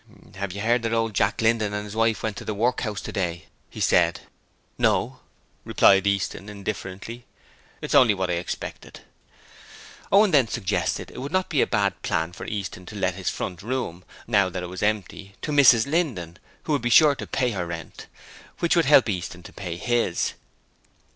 'Have you heard that old Jack Linden and his wife went to the workhouse today,' he said. 'No,' replied Easton, indifferently. 'It's only what I expected.' Owen then suggested it would not be a bad plan for Easton to let his front room, now that it was empty, to Mrs Linden, who would be sure to pay her rent, which would help Easton to pay his.